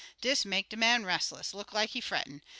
Dis make de man restless; look like he frettin'.